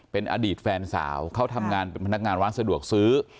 เป็นอดีตแฟนสาวเขาทำงานเป็นพนักงานร้านสะดวกซื้อ